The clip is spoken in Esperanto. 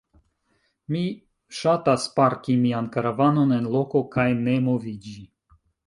Mi ŝatas parki mian karavanon en loko kaj ne moviĝi.